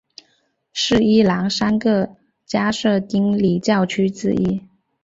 是伊朗三个加色丁礼教区之一。